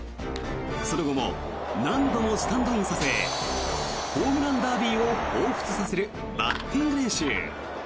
その後も何度もスタンドインさせホームランダービーをほうふつとさせるバッティング練習。